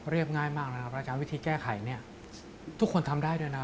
เรียบง่ายมากนะครับประจำวิธีแก้ไขทุกคนทำได้ด้วยนะครับ